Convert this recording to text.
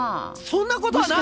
そんなことはな。